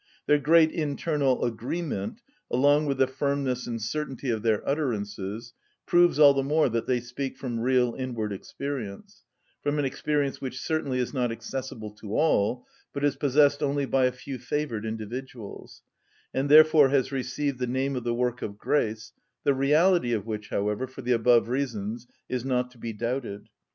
Their great internal agreement, along with the firmness and certainty of their utterances, proves all the more that they speak from real inward experience, from an experience which certainly is not accessible to all, but is possessed only by a few favoured individuals, and therefore has received the name of the work of grace, the reality of which, however, for the above reasons, is not to be doubted.